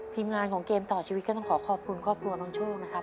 ทีมงานของเกมต่อชีวิตก็ต้องขอขอบคุณครอบครัวน้องโชคนะครับ